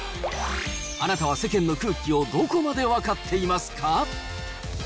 あなたは世間の空気をどこまで分かっていますか？